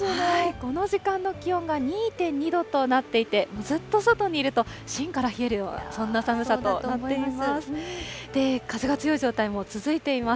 この時間の気温が２．２度となっていて、もうずっと外にいるとしんから冷えるような、そんな寒さとなっています。